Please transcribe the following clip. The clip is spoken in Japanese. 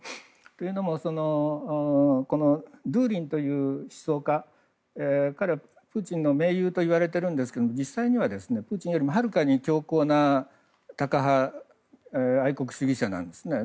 というのもドゥーギンという思想家はプーチンの盟友といわれてるんですが実際には、プーチンよりもはるかに強硬なタカ派で愛国主義者なんですね。